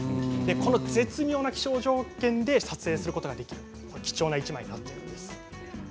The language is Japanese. この絶妙な気象条件で撮影することができる、貴重な１枚です。